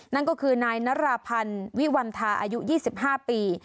นั่นก็คือนายนราพันธ์วิวัณฑาอายุ๒๕ปี